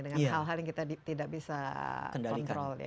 dengan hal hal yang kita tidak bisa kontrol ya